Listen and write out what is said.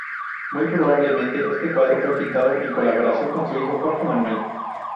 Muy probablemente, este cuadro fue pintado en colaboración con su hijo Jorge Manuel.